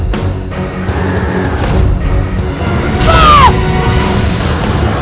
lahir mereka tiga puluh lima tahun lalu